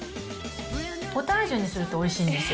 ポタージュにするとおいしいんですよ。